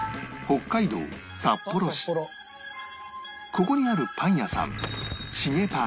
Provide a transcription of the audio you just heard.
ここにあるパン屋さんしげぱん